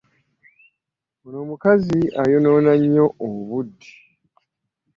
Ono omukazi ayonoona nnyo obudde.